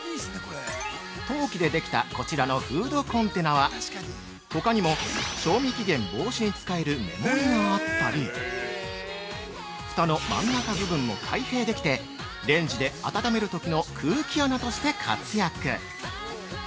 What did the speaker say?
◆陶器でできたこちらの「フードコンテナ」は、ほかにも、賞味期限防止に使える目盛りがあったり、ふたの真ん中部分も開閉できて、レンジで温めるときの空気穴として活躍！